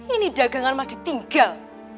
ini dagangan mah ditinggal